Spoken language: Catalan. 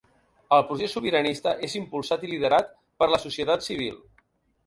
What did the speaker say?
El procés sobiranista és impulsat i liderat per la societat civil.